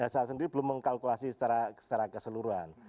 saya sendiri belum mengkalkulasi secara keseluruhan